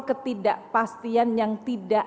ketidakpastian yang tidak